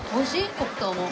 黒糖も。